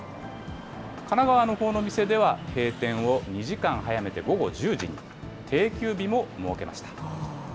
神奈川のほうの店では、閉店を２時間早めて午後１０時に、定休日も設けました。